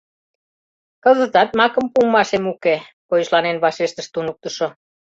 — Кызытат макым пуымашем уке, — койышланен вашештыш туныктышо.